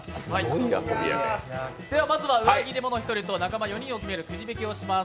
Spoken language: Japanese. まずは裏切り者１人と仲間４人を決めるくじ引きをします。